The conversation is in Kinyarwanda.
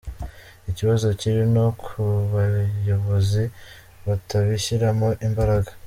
Ikibazo kiri no ku bayobozi batabishyiramo imbaraga.